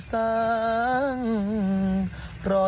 สวัสดีครับ